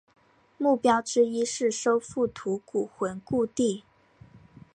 目标之一是收复吐谷浑故地。